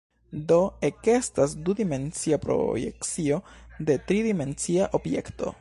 Do ekestas du-dimensia projekcio de tri-dimensia objekto.